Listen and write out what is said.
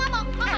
mama aku gak mau